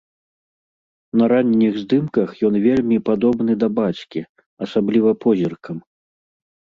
На ранніх здымках ён вельмі падобны да бацькі, асабліва позіркам.